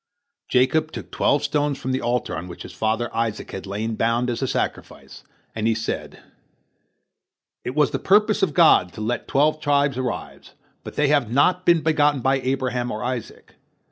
Jacob took twelve stones from the altar on which his father Isaac had lain bound as a sacrifice, and he said: "It was the purpose of God to let twelve tribes arise, but they have not been begotten by Abraham or Isaac.